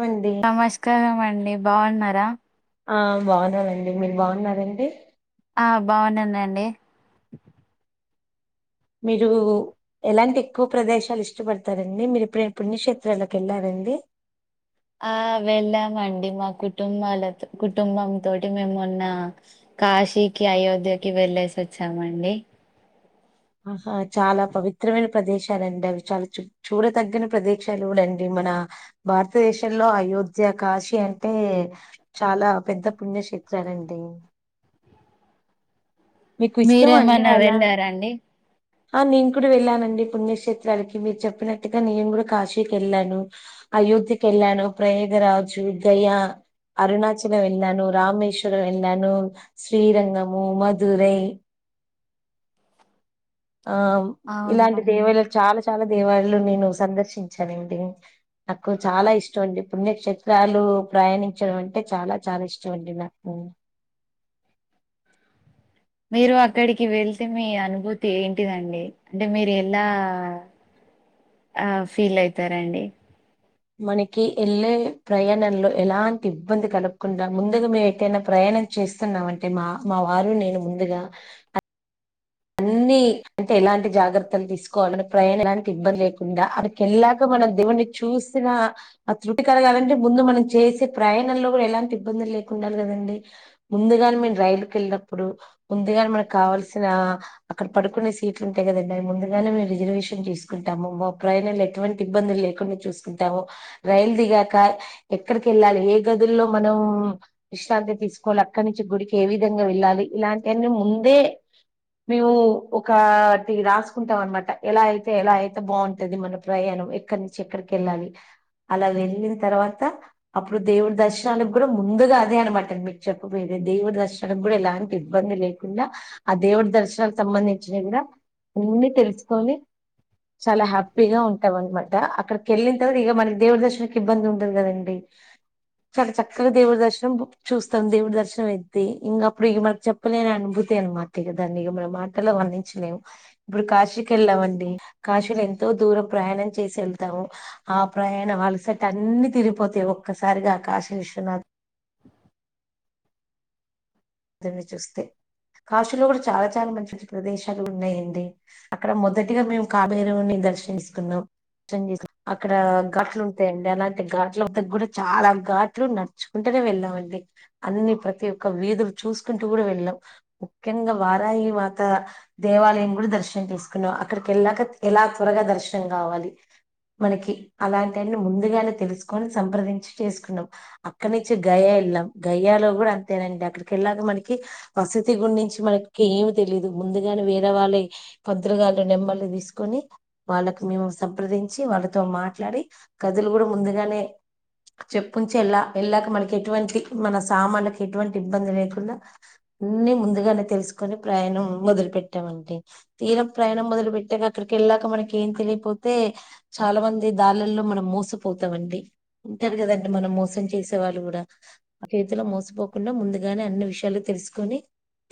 మంది నమస్కారం అండి బాగున్నారా ఆ బాగున్నానండి మీరు బాగున్నర అండి ఆ బాగున్నానండి మీరు ఎలాంటి ఎక్కువ ప్రదేశాలు ఇష్టపడతారండి మీరు ఎప్పుడైనా పుణ్యక్షేత్రాలకి వెళ్ళార అండి ఆ వెళ్ళామండి మా కుటుంబాలతో కుటుంబం తోటి మేము మొన్న కాశీకి అయోధ్యకి వెళ్ళేసి వచ్చామండి ఆహా చాలా పవిత్రమైన ప్రదేశాలండి అవి చాలా చూ చూడతగ్గిన ప్రదేశాలు కూడా అండి మన భారతదేశంలో అయోధ్య కాశీ అంటే చాలా పెద్ద పుణ్యక్షేత్రాలు అండి మీకు ఇష్టం అండి మీరేమన్నా అలా వెళ్ళారండి ఆ నేను కూడా వెళ్ళానండి పుణ్యక్షేత్రాలకి మీరు చెప్పినట్టుగా నేను కూడా కాశీకి వెళ్ళాను అయోధ్య కి వెళ్ళాను ప్రయాగ రాజ్, గయా అరుణాచలం వెళ్ళను రామేశ్వరం వెళ్ళను శ్రీరంగము, మదురై ఆ ఇలాంటి అవునండి దేవలు చాలా చాలా దేవలాయలు నేను సందర్శించానండి నాకు చాలా ఇష్టం అండి పుణ్యక్షేత్రం త్రాలు ప్రయాణించడం అంటే చాలా చాలా ఇష్టం అండి నాకు మీరు అక్కడికి వెళ్తే మీ అనుభూతి ఏంటిదండి అంటే మీరు ఎలా ఆ ఫీల్ అవుతారండి మనకి వెళ్ళే ప్రయాణంలో ఎలాంటి ఇబ్బంది కలగకుండా ముందుగా మే ఎటైనా ప్రయాణం చేస్తున్నాంటే మా మావారు నేను ముందుగా అన్ని అంటే ఎలాంటి జాగ్రత్తలు తీసుకోవాలని ప్రయాణం ఎలాంటి ఇబ్బంది లేకుండా అ ఎళ్లాక మనం దేవుని చూసిన ఆ త్రుటి కరగాలంటే ముందు మనం చేసే ప్రయాణంలో కూడా ఎలాంటి ఇబ్బందులు లేకుండా ఉడాలండీ ముందుగాని మేము రైలుకు వెళ్ళినప్పుడు ముందుగానే మనకు కావల్సిన అక్కడ పడుకునే సీట్లు ఉంటాయి కదండి అయి ముందుగానే మేము రిజర్వేషన్ చేసుకుంటాము ప్రయాణాలు ఎటువంటి ఇబ్బందులు లేకుండా చూసుకుంటాము రైలు దిగాక ఎక్కడికి వెళ్ళాలి ఏ గదుల్లో మనం విశ్రాంతి తీసుకోవాలి అక్కడి నుంచి గుడికి ఏ విధంగా వెళ్ళాలి ఇలాంటిన్నీ ముందే మేము ఒకటి రాసుకుంటాం అనమాట ఎలా అయితే ఎలా అయితే బాగుంటది మన ప్రయాణం ఎక్కడి నుంచి ఎక్కడికి వెళ్ళాలి అలా వెళ్ళిన తర్వాత అప్పుడు దేవుడి దర్శనానికి కూడా ముందుగా అదే అనమాట మీకు చెప్పపోయే దేవుడి దర్శనం మనం కూడా ఎలాంటి ఇబ్బంది లేకుండా ఆ దేవుడి దర్శనం దానికి సంబంధించినవి అన్ని తెలుసుకొని చాలా హ్యాపీగా ఉంటాం అనమాట అక్కడికి వెళ్ళిన తర్వాత ఇక మనకి దేవుడి దర్శనంకి ఇబ్బంది ఉండదు కదండి చాలా చక్కగా దేవుడి దర్శనం చూస్తాం దేవుడి దర్శనం అయితే ఇంక అప్పుడు ఇ మనకి చె చెప్పులేని అనుభూతి అనమాట ఇగ దాన్ని మనం మాటల్లో వర్ణించలేము ఇప్పుడు కాశీకి వెళ్ళామండి కాశీలు ఎంతో దూరం ప్రయాణం చేసి వెళ్తాము ఆ ప్రయాణం అలసట అన్ని తిరిగిపోతాయి ఒక్కసారిగా ఆ కాశీవిశ్వనాథ్ అని చూస్తే కాశీలో కూడా చాలా చాలా మంచి మంచి ప్రదేశాలు ఉన్నాయండి అక్కడ మొదటిగా మేము కాలభైరవుని దర్శించుకున్నాం అక్కడ ఘాట్లు ఉంటాయండి అలాంటి ఘాట్ల దగ కూడా చాలా ఘాట్లు న నడుచ్చుకుంటనే వెళ్ళాండి అన్ని ప్రతి ఒక్క వీధులు చూసుకుంటూ కూడా వెళ్ళాం ముఖ్యంగా వారాహి మాత దేవాలయం కూడా దర్శనం చేసుకున్నాం అక్కడికి వెళ్ళాక ఎలా త్వరగా దర్శనం కావాలి మనకి అలాంటివన్నీ ముందుగానే తెలుసుకొని సంప్రదించి చేసుకున్నాం అక్కడ నుంచి గయ వెళ్ళాం గయాలో కూడా అంతేనండి అక్కడ కెళ్ళలాక మనకి వసతి గురించి మనకి ఏమి తెలీదు ముందుగానే వేరే వాళ్ళ పంతులుగాళ్లు నెంబర్లు తీసుకుని వాళ్ళకు మేము సంప్రదించి వాళ్ళతో మాట్లాడి గదులు కూడా ముందుగానే చెప్పంచి ఎలా వెళ్ళాక మనకి ఎటువంటి మన సామాన్లలకు ఎటువంటి ఇబ్బంది లేకుండా అన్నీ ముందుగానే తెలుసుకొని ప్రయాణం మొదలు పెట్టామండి తీరా ప్రయాణం మొదలు పెట్టాక అక్కడికి వెళ్ళాక మనకి ఏం తెలియపోతే చాలా మంది దార్లల్లో మనం మోసిపోతామండి ఉంటారు కదండి మనం మోసం చేసే వాళ్ళు కూడా ఆ చేతిలో మోసపోకుండా ముందు గానే అన్ని విషయాలు తెలుసుకొని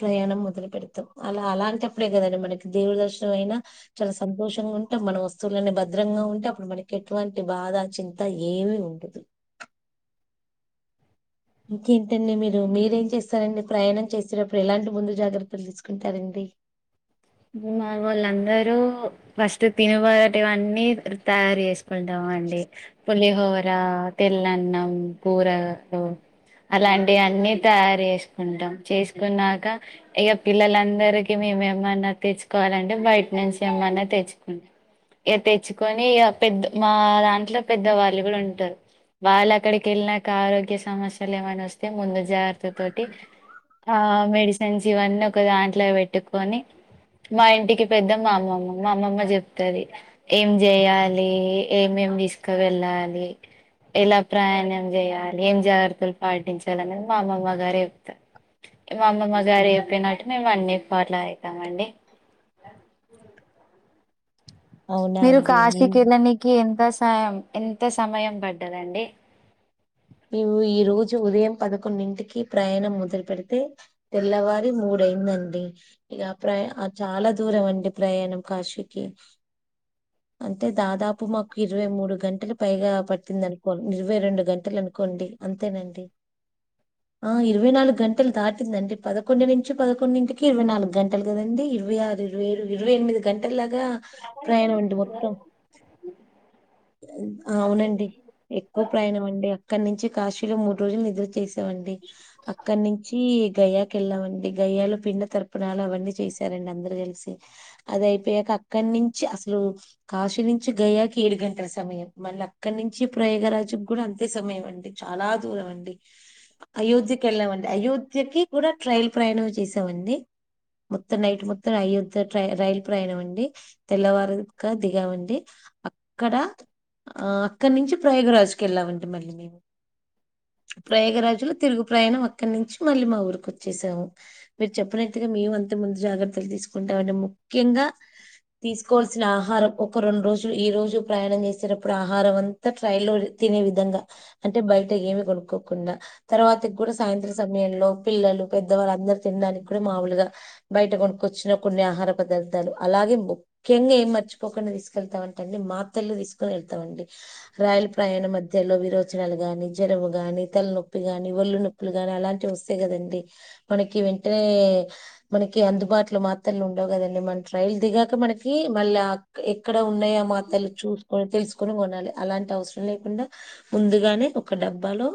ప్రయాణం మొదలు పెడతాం అలా అలాంటిప్పుడే కదండి మనకి దేవుడు దర్శనం అయినా చాలా సంతోషంగా ఉంటాం మన వస్తువులీ భద్రంగా ఉంటే అప్పుడు మనకి ఎటువంటి బాధ చి అంత ఏమి ఉండదు ఇంకేంటండి మీరు మీరేం చేస్తారండి ప్రయాణం చేసేటప్పుడు ఎలాంటి ముందు జాగ్రత్తలు తీసుకుంటారండి మా వాళ్ళందరూ ఫస్ట్ తినబడేటువన్నీ తయారు చేస్తారు పోదాం అండి పులిహోర తెల్లన్నం కూరలు అలాంటి అన్నీ తయారు జేస్కుంటాం చేస్కున్నాక ఇగ పిల్లలందరికిీ మేమెన్నా తెచ్చుకోవాలంటే బయ్ ట్నుంచి ఏమన్నా తెచ్చ్ కుం ఇగ తెచ్చుకొని ఇగ పెద్ద్ మా దాంట్లో పెద్ద వాళ్ళు గుడా ఉంటారు వాళ్ళు అక్కడికి ఎళ్ళ్నాక ఆరోగ్య సమస్యలు ఏమైనా వొస్తే ముందు జాగ్రత్త తోటి ఆ మెడిసన్స్ ఇవన్నీ ఒక దాంట్లో వెట్టుకొని మా ఇంటికి పెద్ద మా అమ్మమ్మ మా అమ్మమ్మ జేప్తాది ఏం జేయ్యాలి ఏమేం దీస్కవెళ్ళాలి ఎలా ప్రయాణం జేయ్యాలి ఏం జాత్రలు పాటించాలి అనేది మా అమ్మమ్మ గారెప్తా మా అమ్మమ్మ గారు ఎప్పినట్టు మేమన్ని ఫాట్లో అయితామండి అవునా మీరు అండి నేను కాశీకి ఎళ్ళనీకి ఎంత సహాయం ఎంత సమయం బడ్డదండి ఈవు ఈ రోజు ఉదయం పదకొండింటికి ప్రయణం మొదలు పెడితే తెల్లవారి మూడైందండి ఇగా ప్రయా ఆ చాలా దూరమండి ప్రయాణం కాశీకి అంటే దాదాపు మాకి ఇరవై మూడు గంటలు పైగా పట్టింది అనుకోన్ నిరవై రెండు గంటలు అను కోండి అంతేనండి ఆ ఇరవై నాలుగ్ గంటలు దాటిందండి పదకొండు నుంచి పదకొండింటికి ఇరవై నాలుగ్గంటలు గదండి ఇరవై ఆరు ఇర్ వై ఏరు ఇరవై ఎనిమిది గంటల్ ల్లాగా [unintelligible] అవునండి ఎక్కువ ప్రయాణం అండి అక్కన్నించి కాశీలో మూడ్రోజుల్ నిద్దర్ చేస్ తామండి అక్కన్నించీ గయాకెళ్ళామండి గయ్యాలో పిండు తరు ప్రాలు అవన్నీ చేశారండి అందురు గల్సి అది అయిపోయాక అక్కన్నించి అసలు కాశీ నుంచి గయాకి ఏడు గం టల సమయం మళ్ళీ అక్కన్నించి ప్రయగరాజు గ్గుడ అంతే సమయమండి చాలా దూరం అండి అయోధ్యకి ఎళ్ళామండి అయోధ్యకి కూడా ట్రయ్ల్ ప్రయాణం చేసామండి మొత్తం నైట్ మొత్తం అయ్యోద్య ట్రై రైల్ ప్రయాణం అండి తెల్లవారుక్కా దిగామండి క్కడా ఆ అక్కన్నించి ప్రయోగరాజుకెళ్ళామంటే మళ్ళీ మేము ప్రయోగరాజు తిరుగు ప్రయాణం అక్కన్నుంచి మళ్ళీ మా ఊరికొచ్చేశాము మీర్ చెప్పినట్టుగా మేము అంత ముందు జాగ్రత్తల్ దీస్కుంటాంమండె ముఖ్యంగా తీస్కోల్సిన ఆహారం ఒక్క రెండ్రోజు ఈ రోజు ప్రయాణం జేసేటప్పుడు ఆహారం అంతా ట్రై ల్లోది తినే విధంగా అంటే బయట ఏమి గొనుక్కోకుండా తర్వాతి గ్గుడ సాయంత్రం సమయంలో పిల్లలు పెద్దవారు అందరు తిన్డానిక్కుడ మావొలుగా బయట గొనుకొచ్చిన కొన్ని ఆహార పదార్దాలు అలాగే క్యంగ ఏం మర్చిపోకుండా దీస్కెళ్తామంటండి మాత్తర్లు దీస్కొని ఎళ్తామండి రాయిల్ ప్రయాణ మధ్యలో విరోచనాలు గాని జరము గాని తల్నొప్పి గాని ఒళ్ళు నొ ప్పులు గాని అలాంటివి వొస్తాయ్ గదండి మనకి వెంటనే మనకి అందుబాట్లో మాత్రలుండవు గదండి మన ట్రైల్ దిగాక మనకీ మళ్యాక్ క్ ఎక్కడ ఉన్నాయి ఆ మాత్రలు చూస్కొన్ తెల్సుకొని గొనాలి అలాంటి అవస్రం లేకుండా ముందుగానే ఒక డబ్బాలో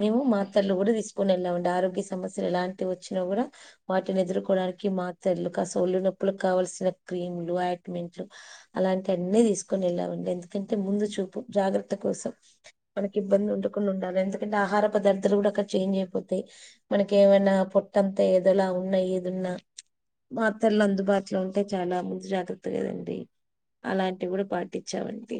మేము మాత్రలు గుడా దీస్కొని ఎళ్యామండి ఆరోగ్య సమస్యలు ఎలాంటివొచ్చినా గూర వాటిని ఎదుర్కోవడానికి మాతర్లు కాస్త ఒల్లు నొప్పులు కావల్సిన క్రీమ్లు ఐట్మెంట్లు అలాంటి అన్నీ దీస్కొని ఎళ్యామండి ఎందుకంటే ముందు చూపు జాగ్రత్త కోసం మనకి ఇబ్బంది ఉండకుండా ఉండాలి ఎందుకంటే ఆహార పదార్దాల్ గుడ అక్కడ చేంజ్ అయిపోతాయ్ మనకి ఏమైనా పొట్టంతా ఏదోలా ఉన్నా ఏదున్నా మాత్తర్లు అందుబాటులో ఉంటే చాలా ముందు జాగ్రత్త కదండి అలాంటివి కూడా పాటి ఇచ్చవంటే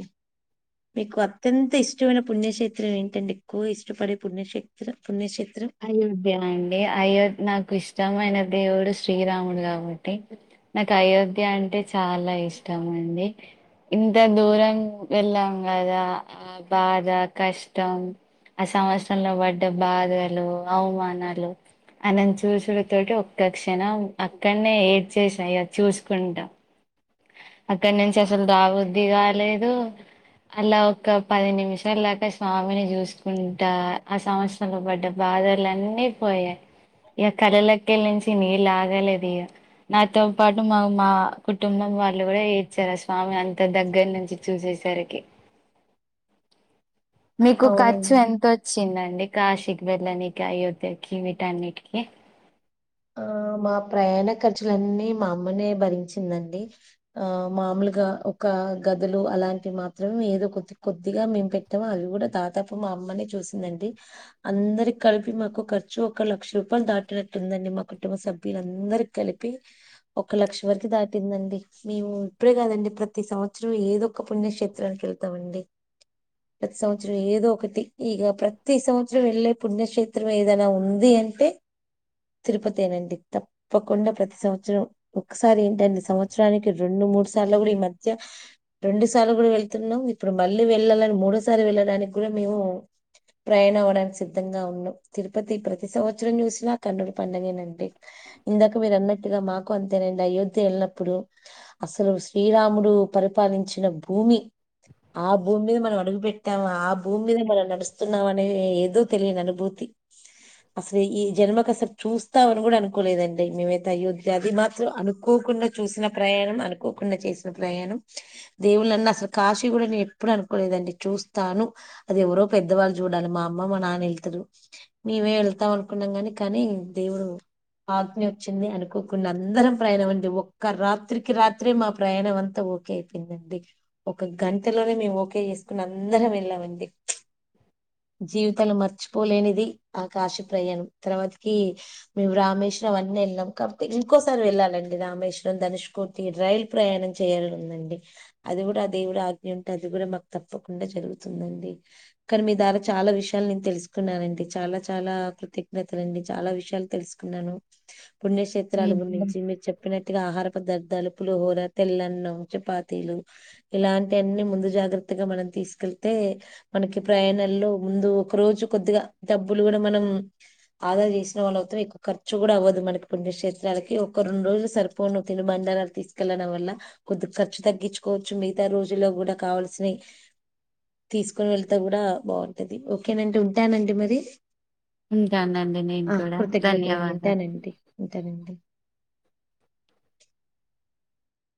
మీకు అత్యంత ఇష్టమైన పుణ్యక్షేత్రం ఏంటండి ఎక్కువ ఇష్టపడే పుణ్యక్షేత్రం పుణ్యక్షేత్రం అయోధ్య అండి అయోధ్య నాకు ఇష్టమైన దేవుడు శ్రీరాముడు కాబట్టి నాకు అయోధ్య అంటే చాలా ఇష్టం అండి ఇంత దూరం వెళ్ళాం కదా బాధ కష్టం ఆ సంవత్సరంలో పడ్డ బాధ లో అవుమానాలు వాళ్లను చూసుడు తోటి ఒక్క క్షణం అక్కడనే ఏడ్చేసా ఇగ చూసుకుంటా అక్కడ నుంచి అసలు రాబుద్ది కాలేదు అలా ఒక పది నిమిషాలు దాకా స్వామిని చూసుకుంటా ఆ సంవత్సరంలో పడ్డా బాధలు అన్నీ పోయే ఇక కళ్ళల్లకెళ్లి నుంచి నీళ్ళు లాగాలేదు ఇగ నాతో పాటు మా మా కుటుంబం వాళ్ళు కూడా ఎడ్చారు స్వామి అంత దగ్గర నుంచి చూసేసరికి మీకు ఖర్చు అవునండి ఎంతొ ఇచ్చిందండి కాశీకి వెళ్ళానికి అయోధ్య కి వీటిఅన్నిటికి ఆ మా ప్రయాణ ఖర్చులన్నీ మా అమ్మనే భరించిందండి ఆ మామూలుగా ఒక గదులు అలాంటివి మాత్రమే ఏదో కొద్ది కొద్దిగా మేము పెట్ మొత్తం అవి కూడా దాదాపు మా అమ్మనే చూసిందండి అందరికి కలిపి మాకు ఖర్చు ఒక లక్ష రూపాయలు దాటినట్టుందండి మాకు కుటుంబ సభ్యులందరికి కలిపి ఒక లక్ష వరకు దాటిందండి మేము ఇప్పుడే కాదండి ప్రతి సంవత్సరం ఏదొ ఒక పుణ్యక్షేత్రానికి వెళ్తామండి ప్రతి సంవత్సరం ఏదో ఒకటి ఇగ ప్రతి సంవత్సరం వెళ్ళే పుణ్యక్షే త్రం ఏదైనా ఉంది అంటే తిరుపతేనండి తప్పకుండా ప్రతి సంవత్సరం ఒకసారి ఏంటండి సంవత్సరానికి రెండు మూడు స దాన్లో గూడ ఈ మధ్య రెండు సార్లు కూడా వెళ్తున్నాం ఇప్పుడు మళ్ళీ వెళ్ళాలని మూడోసారి వెళ్ళడానికి కూడా మేము ప్రయాణం అవడానికి సిద్ధంగా ఉన్న తిరుపతి ప్రతి సంవత్సరం చూసినా కన్ను పండగేనండీ ఇందాక మీరు అన్నట్టుగా మాకు అంతేనండి అయోధ్య వెళ్ళినప్పుడు అసలు శ్రీరాముడు పరిపాలించిన భూమి ఆ భూమి మీద మనం అడుగు పెట్టామా ఆ భూమి మీద మనం నడుస్తున్నామా అని ఏదో తెలియని అనుభూతి అసలు ఈ జన్మకు అసలు చూస్తా వని కూడా అనుకోలేదండి మేమైతే అయోధ్య అది మాత్రం అనుకోకుండా చూసిన ప్రయాణం అనుకోకుండా చేసి న ప్రయాణం దేవుళ్లన్న అసలు కాశీ కూడా నేను ఎప్పుడు అనుకోలేదండి చూస్తాను అది ఎవరో పెద్దవాళ్ళు చూడాలి మా అమ్మ మా నాన్న వెళ్తారు మేమే వెళ్తాం అనుకున్నాం గాని కానీ దేవుడు ఆజ్ఞ వచ్చింది అనుకోకుండా అందరం ప్రయాణం అండి ఒక్క రాత్రికి రాత్రే మా ప్రయాణం అంతా ఓకే ఎందంటే ఒక గంటలోనే మేము ఓకే చేసుకుని అందరం వెళ్ళామండి జీవితములో మర్చిపోలేనిది ఆ కాశి ప్రయాణం తర్వాతకి మేము రామేశ్వరం అన్ని ఏళ్ళినంక ఇంకోసారి వెళ్ళాలండి రామేశ్వరం ధనుష్ పోతే రైల్ ప్రయాణం చేయాలనీ ఉందండి అది కూడా ఆ దేవుడు ఆజ్ఞ ఉంటే అది కూడ మాకు తప్పకుండా జరుగుతుందండి కానీ మీ ద్వారా చాలా విషయాలు నేను తెలుసుకున్నానండి చాలా చాలా కృతజ్ఞతలు అండి చాలా విషయ తెలుసుకున్నాను మీ పుణ్యక్షేత్రాల గురించి మీరు చెప్ తేప్పినట్టుగా ఆహార పదార్థాలు పులిహోర తెల్లన్నం చపాతీలు ఇలాంటి అన్ని ముందు జాగ్రత్తగా మనం తీస్కెళ్తే మనకి ప్రయాణంలో ముందు ఒక రోజు కొద్దిగా డబ్బులు గూడా మనం ఆదా జేసి తో లోతు ఎక్కు ఖర్చు గూడావ్వదు మనకి పుణక్షేత్రాలకి ఒక రోన్ రోజులు సరిపోను తిను బండారాలు తీస్ కేలన వల్ల కొద్ది ఖర్చు తగ్గించుకోవచ్చు మిగతా రోజుల్లో గూడా కావల్సియ్ తీస్కొని వెళ్తా గూడా బావుంటది ఓకేనండి ఉంటానండి మరి ఇంకాందండి నేను ఆ కూడా కృతజ్ఞతలండి ధన్యవాదాలు ఉంటనంటి ఉంతానండి